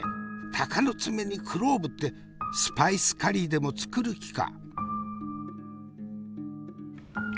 鷹の爪にクローブってスパイスカリーでも作る気か！